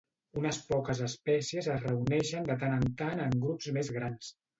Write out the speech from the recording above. Unes poques espècies es reuneixen de tant en tant en grups més grans.